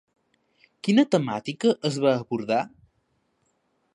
Quina temàtica es va abordar?